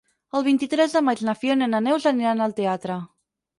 El vint-i-tres de maig na Fiona i na Neus aniran al teatre.